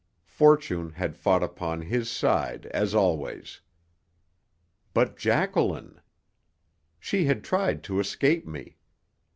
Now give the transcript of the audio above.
Fortune had fought upon his side, as always. But Jacqueline She had tried to escape me.